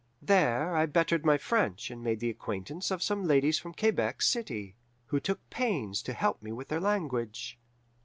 There I bettered my French and made the acquaintance of some ladies from Quebec city, who took pains to help me with their language.